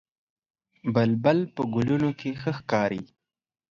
بلبل په ګلونو کې ښه ښکاري